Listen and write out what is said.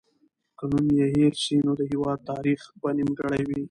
که نوم یې هېر سي، نو د هېواد تاریخ به نیمګړی وي.